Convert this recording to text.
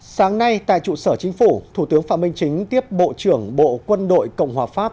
sáng nay tại trụ sở chính phủ thủ tướng phạm minh chính tiếp bộ trưởng bộ quân đội cộng hòa pháp